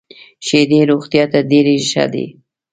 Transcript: شیدې روغتیا ته ډېري ښه دي .